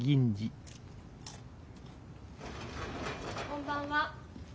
こんばんは。